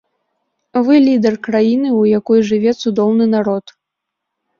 Вы лідар краіны, у якой жыве цудоўны народ.